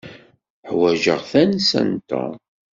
Ḥwaǧeɣ tansa n Tom.